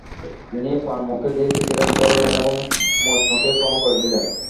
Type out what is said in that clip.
তিনি পান মুখে দিয়ে সিগারেট ধরালেন এবং মজনুকে ক্ষমা করে দিলেন।